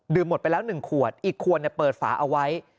หมดไปแล้ว๑ขวดอีกขวดเปิดฝาเอาไว้